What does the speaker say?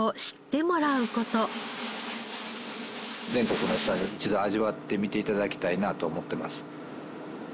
全国の人に一度味わってみて頂きたいなと思ってます。